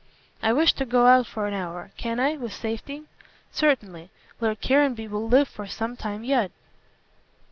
"I wish to go out for an hour. Can I, with safety?" "Certainly. Lord Caranby will live for some time yet."